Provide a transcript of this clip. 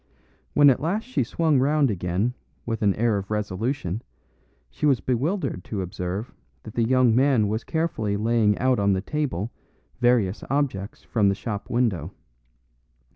When at last she swung round again with an air of resolution she was bewildered to observe that the young man was carefully laying out on the table various objects from the shop window.